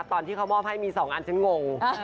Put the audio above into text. ตอนที่เขามอบให้มี๒อันฉันงง